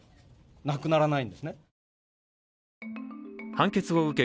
判決を受け